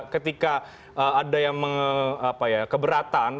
ketika ada yang keberatan